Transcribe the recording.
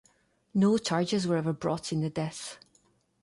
No charges were ever brought in the deaths.